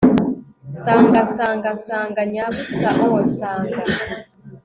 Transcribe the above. nsanga nsanga nsanga nyabusa oh nsanga